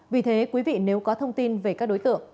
vì thế quý vị nếu có thông tin về các đối tượng